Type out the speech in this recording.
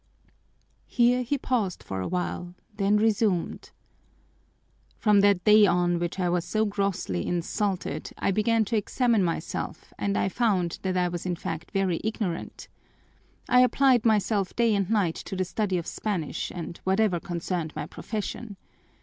Here he paused for a while, then resumed: "From the day on which I was so grossly insulted I began to examine myself and I found that I was in fact very ignorant. I applied myself day and night to the study of Spanish and whatever concerned my profession.